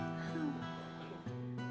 kalo pesenan baik